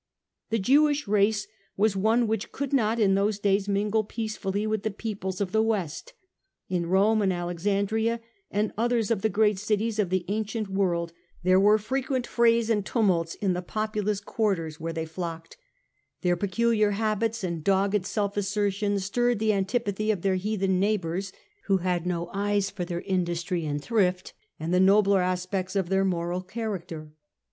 The Jewish race was one which could not in those days mingle peacefully with the peoples of the due partly West. In Rome and Alexandria and others of the great cities of the ancient world there origin, were frequent frays and tumults in the populous quarters K2 132 The Age of the Antonines, ch. vi. where they flocked ; their peculiar habits and dogged self assertion stirred the antipathy of their heathen neighbours, who had no eyes for their industry and thrift and the nobler aspects of their moral character.